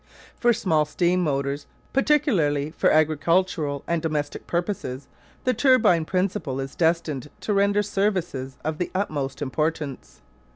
For small steam motors, particularly for agricultural and domestic purposes, the turbine principle is destined to render services of the utmost importance.